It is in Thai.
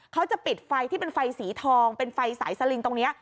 เขาจะปิดไฟที่เป็นไฟสีทองเป็นไฟสายสลิงตรงนี้